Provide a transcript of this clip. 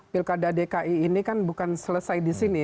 pilkada dki ini kan bukan selesai di sini